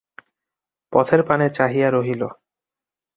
পথের পানে চাহিয়া রহিল।